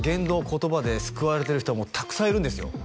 言葉で救われてる人はたくさんいるんですよ